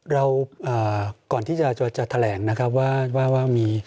เราก่อนที่จะแถลงว่ามี